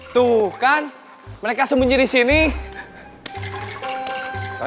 saya usep temennya denny